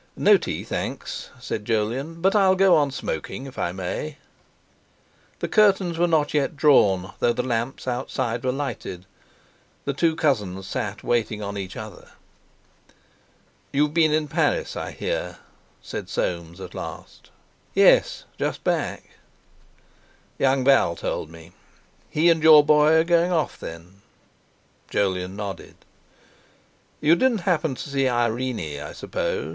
"No tea, thanks," said Jolyon, "but I'll go on smoking if I may." The curtains were not yet drawn, though the lamps outside were lighted; the two cousins sat waiting on each other. "You've been in Paris, I hear," said Soames at last. "Yes; just back." "Young Val told me; he and your boy are going off, then?" Jolyon nodded. "You didn't happen to see Irene, I suppose.